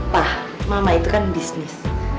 pak mama itu kan bisnis